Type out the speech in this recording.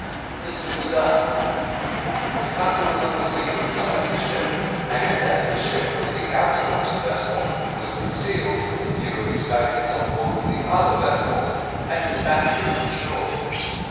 This was done; the cutter was on the seaward side of the ship, and, as the ship was the outermost vessel, was concealed from the view of the Spaniards on board of the other vessels, and in the battery on shore.